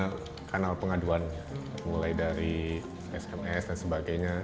kami punya kanal pengaduan mulai dari sms dan sebagainya